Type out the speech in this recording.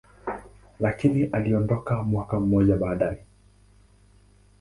lakini aliondoka mwaka mmoja baadaye.